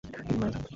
তিনি মারা যান।